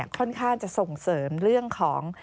ค่อนข้างจะส่งเสริมเรื่องของ